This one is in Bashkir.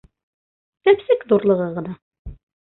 Сәпсек ҙурлығы ғына.